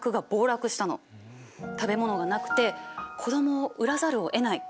食べ物がなくて子供を売らざるをえない。